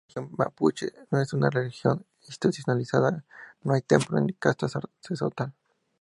La religión mapuche no es una religión institucionalizada, no hay templos ni casta sacerdotal.